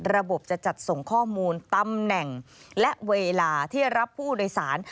ระบบจะจัดส่งข้อมูลตำแหน่งและเวลาที่รับผู้โดยสาร